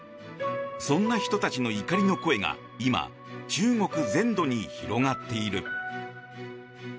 そんな人たちの怒りの声が今、中国全土に広がっている。